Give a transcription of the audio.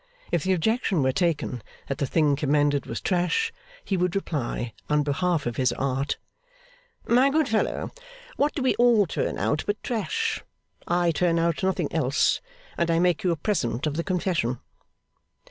If the objection were taken that the thing commended was trash, he would reply, on behalf of his art, 'My good fellow, what do we all turn out but trash? I turn out nothing else, and I make you a present of the confession.